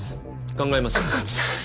考えますよ。